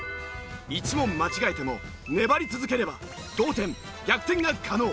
１問間違えても粘り続ければ同点逆転が可能。